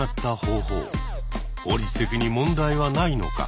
法律的に問題はないのか？